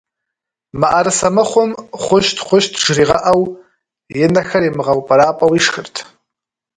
МыӀэрысэ мыхъум «хъущт, хъущт» жригъэӏэу, и нэхэр имыгъэупӏэрапӏэу ишхырт.